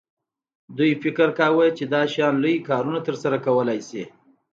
دوی فکر کاوه چې دا شیان لوی کارونه ترسره کولی شي